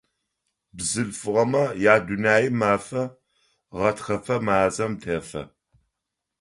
Бзылъфыгъэмэ я Дунэе мафэ гъэтхэпэ мазэм тефэ.